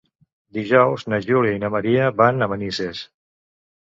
Dijous na Júlia i na Maria van a Manises.